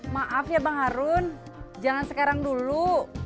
maaf ya bang harun jangan sekarang dulu